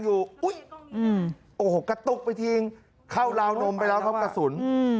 อยู่กระตุกมาทิ้งเข้าลาวนมไปแล้วกระสุน